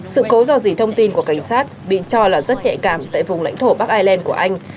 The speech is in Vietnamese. sự cố do dỉ thông tin của cảnh sát bị cho là rất nhạy cảm tại vùng lãnh thổ bắc ireland của anh